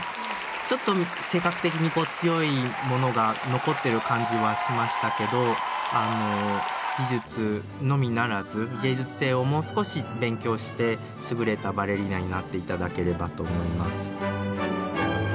ちょっと性格的に強いものが残ってる感じはしましたけど技術のみならず芸術性をもう少し勉強して優れたバレリーナになって頂ければと思います。